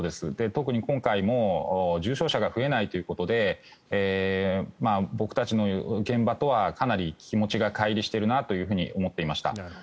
特に今回も重症者が増えないということで僕たちの現場とはかなり気持ちがかい離しているなとは思っていました。